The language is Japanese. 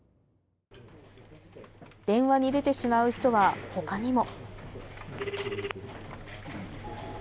電話に出てしまう人は、他にも。